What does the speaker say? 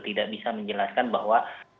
tidak bisa menjelaskan bahwa